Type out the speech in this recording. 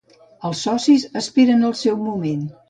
Els socis esperen el seu moment.